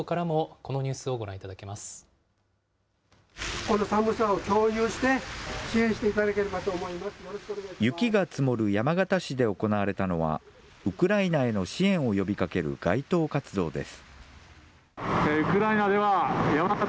この寒さを共有して、雪が積もる山形市で行われたのは、ウクライナへの支援を呼びかける街頭活動です。